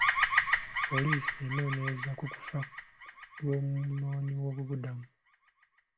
Poliisi enoonyereza ku nfa y'omunoonyi w'obubudamu.